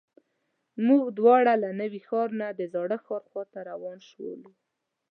موږ دواړه له نوي ښار نه د زاړه ښار خواته روان شولو.